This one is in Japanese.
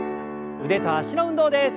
腕と脚の運動です。